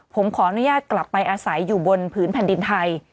ผมขออนุญาตกลับไปอาศัยอยู่บนผืนแผ่นดินไทย